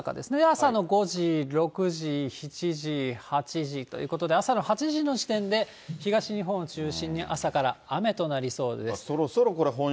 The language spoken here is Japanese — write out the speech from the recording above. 朝の５時、６時、７時、８時ということで、朝の８時の時点で東日本を中心に朝から雨となりそうです。